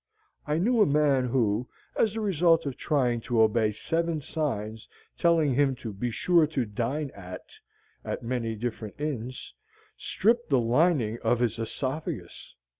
I knew a man who, as the result of trying to obey seven signs telling him to "BE SURE TO DINE AT" as many different inns, stripped the lining of his esophagus.